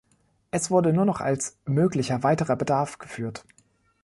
Es wurde nur noch als „möglicher weiterer Bedarf“ geführt.